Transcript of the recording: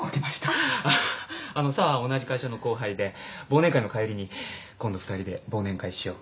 紗和は同じ会社の後輩で忘年会の帰りに「今度２人で忘年会しよう」って。